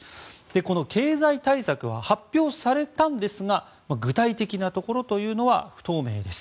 この経済対策は発表されたんですが具体的なところというのは不透明です。